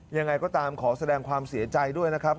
ยังไงก็ตามขอแสดงความเสียใจด้วยนะครับ